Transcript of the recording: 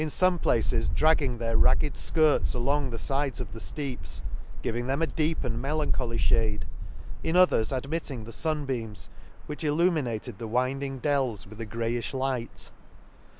73 fome places dragging their ragged fkirts along the fides of the fleeps, giving them a deep and melancholy fhade ; in others admitting the fun beams, which illumi nated the winding dells with a greyifh light.